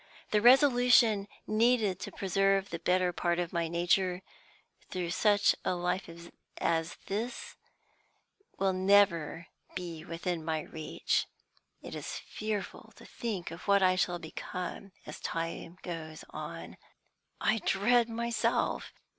The resolution needed to preserve the better part of my nature through such a life as this, will never be within my reach. It is fearful to think of what I shall become as time goes on. I dread myself!